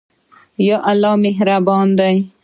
ایا الله مهربان دی؟